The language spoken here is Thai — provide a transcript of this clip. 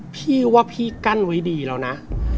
พี่ว่าพี่กั้นไว้ดีแล้วนะ